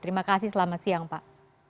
terima kasih selamat siang pak